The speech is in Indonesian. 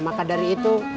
maka dari itu